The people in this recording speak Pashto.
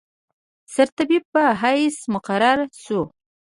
سرطبیب په حیث مقرر شو.